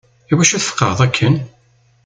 Iwacu tfeqeεeḍ akken?